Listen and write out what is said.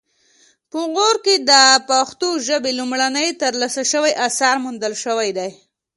په غور کې د پښتو ژبې لومړنی ترلاسه شوی اثر موندل شوی دی